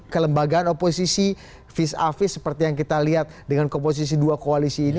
kelembagaan oposisi vis a vis seperti yang kita lihat dengan komposisi dua koalisi ini